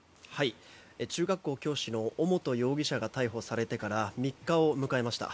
中学校教師の尾本容疑者が逮捕されてから３日を迎えました。